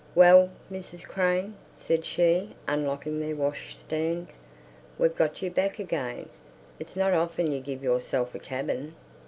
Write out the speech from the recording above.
"Well, Mrs. Crane," said she, unlocking their washstand. "We've got you back again. It's not often you give yourself a cabin."